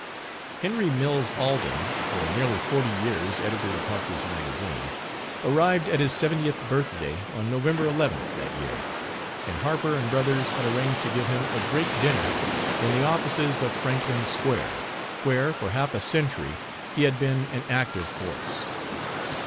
Henry Mills Alden, for nearly forty years editor of Harper's Magazine, arrived at his seventieth birthday on November 11th that year, and Harper & Brothers had arranged to give him a great dinner in the offices of Franklin Square, where, for half a century, he had been an active force.